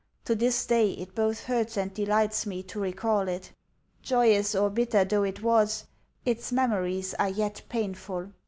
To this day it both hurts and delights me to recall it. Joyous or bitter though it was, its memories are yet painful.